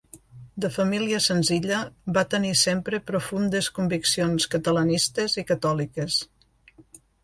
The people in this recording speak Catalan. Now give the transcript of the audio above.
De família senzilla, va tenir sempre profundes conviccions catalanistes i catòliques.